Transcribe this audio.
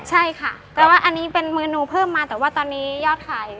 ใช่ค่ะแปลว่าอันนี้เป็นมือหนูเพิ่มมาแต่ว่าตอนนี้ยอดขาย